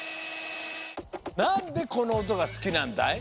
なんでこのおとがすきなんだい？